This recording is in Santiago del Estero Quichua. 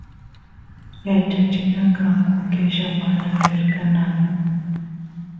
yachachina kanku qella mana qelqananku